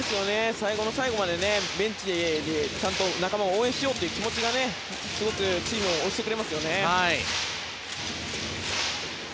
最後の最後までベンチでちゃんと仲間を応援しようという気持ちがすごくチームを押してくれますね。